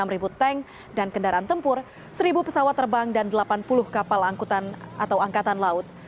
enam ribu tank dan kendaraan tempur seribu pesawat terbang dan delapan puluh kapal angkutan atau angkatan laut